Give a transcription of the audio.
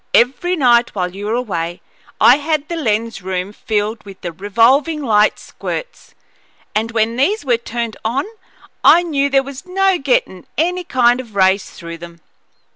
"Every night while you were away I had the lens room filled with the revolving light squirts, and when these were turned on I knew there was no gettin' any kind of rays through them.